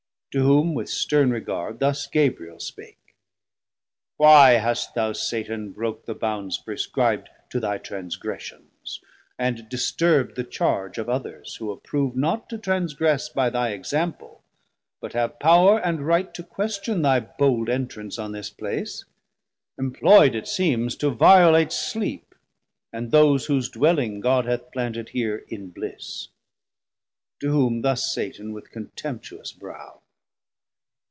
To whom with stern regard thus Gabriel spake. Why hast thou, Satan, broke the bounds prescrib'd To thy transgressions, and disturbd the charge Of others, who approve not to transgress 880 By thy example, but have power and right To question thy bold entrance on this place; Imploi'd it seems to violate sleep, and those Whose dwelling God hath planted here in bliss? To whom thus Satan with contemptuous brow.